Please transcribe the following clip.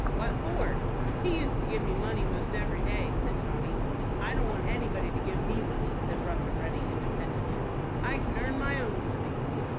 "What for?" "He used to give me money most every day," said Johnny. "I don't want anybody to give me money," said Rough and Ready, independently. "I can earn my own living."